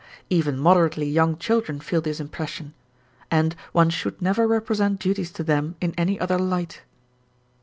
Even moderately young children feel this impression, ana one should never represent duties to them in any other light.